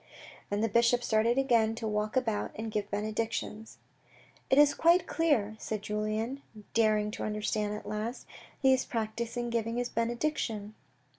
And the bishop started again to walk about and give benedictions. " It is quite clear," said Julien, daring to understand at last, " He is practising giving his benediction."